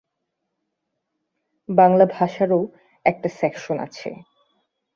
বাংলা ভাষারও একটা সেকশন আছে।